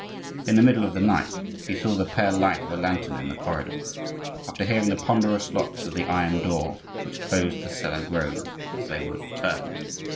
In the middle of the night he saw the pale light of a lantern in the corridor, after hearing the ponderous locks of the iron door which closed the cellar groan as they were turned.